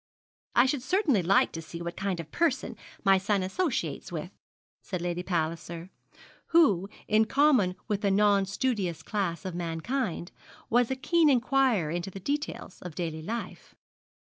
'I should certainly like to see what kind of person my son associates with,' said Lady Palliser, who, in common with the non studious class of mankind, was a keen inquirer into the details of daily life.